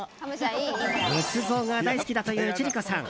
仏像が大好きだという千里子さん。